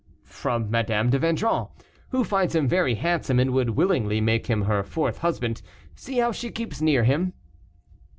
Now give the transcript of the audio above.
"From Madame de Vendron, who finds him very handsome, and would willingly make him her fourth husband. See how she keeps near him."